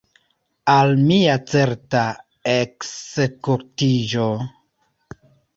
Al mia certa ekzekutiĝo!